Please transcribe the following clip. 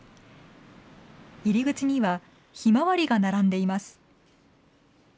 入り口にはひまわりが並んでいます。